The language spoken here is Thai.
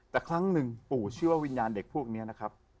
แต่ครั้งหนึ่งปู่เชื่อว่าวิญญาณเด็กพวกนี้นะครับ